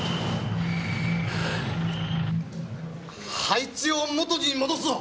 配置を元に戻すぞ！